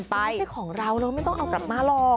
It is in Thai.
ไม่ใช่ของเราเราไม่ต้องเอากลับมาหรอก